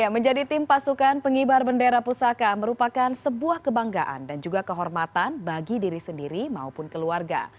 menjadi tim pasukan pengibar bendera pusaka merupakan sebuah kebanggaan dan juga kehormatan bagi diri sendiri maupun keluarga